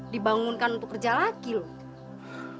dibangunkan untuk kerja laki loh